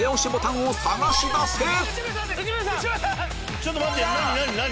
ちょっと待って何？